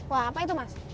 wah apa itu mas